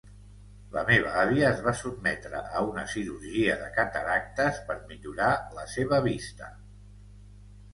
La meva àvia es va sotmetre a una cirurgia de cataractes per millorar la seva vista.